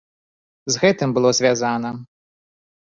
З гэтым было звязана.